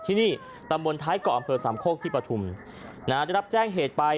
ที่นี่ตำบลท้ายเกาะอำเภอสามโคกที่ปฐุมนะฮะได้รับแจ้งเหตุไป